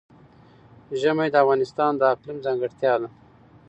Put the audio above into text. ژمی د افغانستان د اقلیم ځانګړتیا ده.